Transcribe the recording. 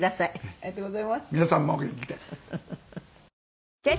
ありがとうございます。